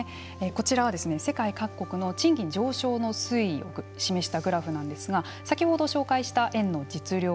こちらは、世界各国の賃金上昇の推移を示したグラフなんですが先ほど紹介した円の実力。